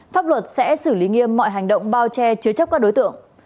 pháp luật sẽ xử lý nghiêm mọi hành động bao che chứa chấp các đối tượng